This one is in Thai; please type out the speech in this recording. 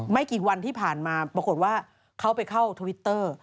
ไม่กี่วันที่ผ่านมาปรากฏว่าเขาไปเข้าทวิตเตอร์